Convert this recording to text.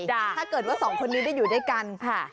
ถ้าเกิดว่าสองคนนี้ได้อยู่ด้วยกันค่ะ